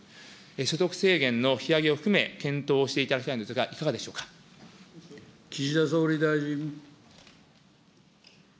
所得制限の引き上げも含め、検討していただきたいんですが、いか岸田総理大臣。